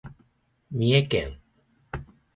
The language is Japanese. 三重県